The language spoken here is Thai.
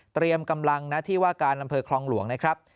เตรียมกำลังหน้าที่ว่าการลำเภอครองหลวงนะครับ